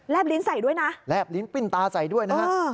แลบลิ้นใส่ด้วยนะวิ่งตาใส่ด้วยนะฮะ